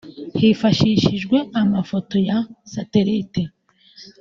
hifashishijwe amafoto ya satelite